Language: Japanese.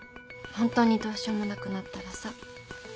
本当にどうしようもなくなったらさ